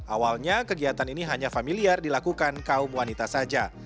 awalnya kegiatan ini hanya familiar dilakukan kaum wanita saja